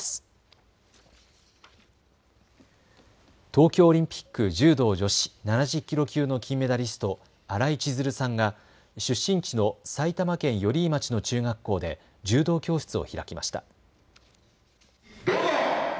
東京オリンピック柔道女子７０キロ級の金メダリスト新井千鶴さんが出身地の埼玉県寄居町の中学校で柔道教室を開きました。